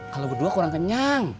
kalo berdua kurang kenyang